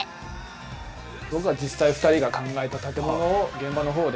ぼくは実際２人が考えた建物を現場のほうで。